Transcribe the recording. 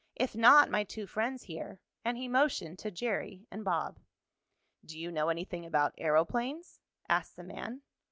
If not my two friends here " and he motioned to Jerry and Bob. "Do you know anything about aeroplanes?" asked the man.